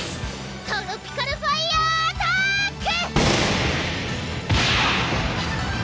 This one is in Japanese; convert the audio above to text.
トロピカルファイヤーアターック！